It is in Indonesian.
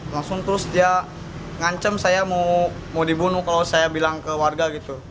langsung terus dia ngancam saya mau dibunuh kalau saya bilang ke warga gitu